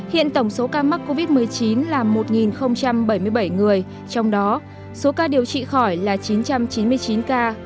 hiện tổng số ca mắc covid một mươi chín là một bảy mươi bảy người trong đó số ca điều trị khỏi là chín trăm chín mươi chín ca